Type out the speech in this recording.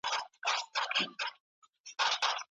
دا غږ د ده د ژوند د لارې یو نوی مشال و.